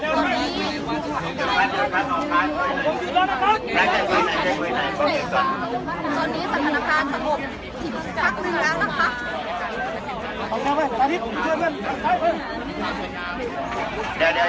ก็ไม่มีใครกลับมาเมื่อเวลาอาทิตย์เกิดขึ้น